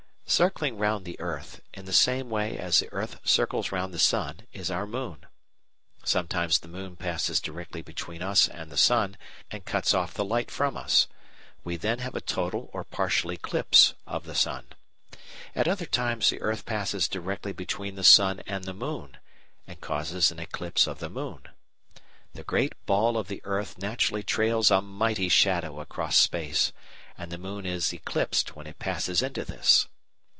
Circling round the earth, in the same way as the earth circles round the sun, is our moon. Sometimes the moon passes directly between us and the sun, and cuts off the light from us. We then have a total or partial eclipse of the sun. At other times the earth passes directly between the sun and the moon, and causes an eclipse of the moon. The great ball of the earth naturally trails a mighty shadow across space, and the moon is "eclipsed" when it passes into this.